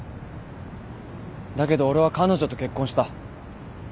だけど俺は彼女と結婚した。